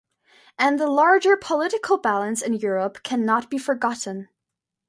And the larger political balance in Europe can not be forgotten.